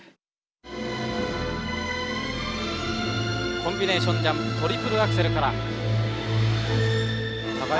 コンビネーションジャンプトリプルアクセルから高い！